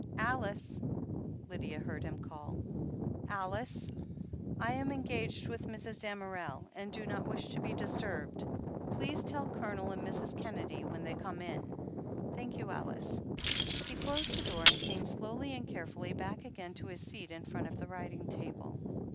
'Alice!" Lydia heard him call. 'Alice! I am engaged with Mrs. Damerel and do not wish to be disturbed. Please tell Colonel and Mrs. Kennedy when they come in. Thank you, Alice." He closed the door, and came slowly and carefully back again to his seat in front of the writing table.